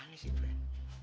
gimana sih pren